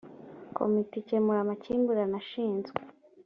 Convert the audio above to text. komite ikemura amakimbirane ishinzwe